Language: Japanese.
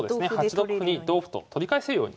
８六歩に同歩と取り返せるように。